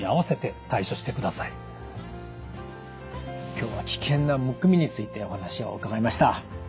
今日は危険なむくみについてお話を伺いました。